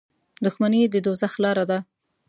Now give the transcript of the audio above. • دښمني د دوزخ لاره ده.